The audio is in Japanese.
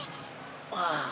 ああ。